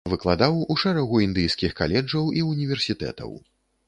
Выкладаў у шэрагу індыйскіх каледжаў і ўніверсітэтаў.